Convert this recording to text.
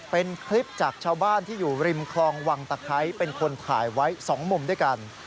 เป็นคลิปจากชาวบ้านที่อยู่ริมคลองวังตะไคร้เป็นคนถ่ายไว้๒มุมด้วยกัน